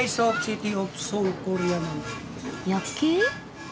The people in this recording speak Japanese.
夜景？